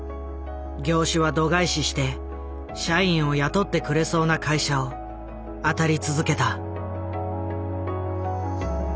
業種は度外視して社員を雇ってくれそうな会社を当たり続けた。